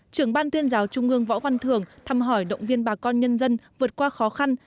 trưởng ban tuyên giáo trung ương võ văn thường thăm hỏi động viên bà con nhân dân vượt qua khó khăn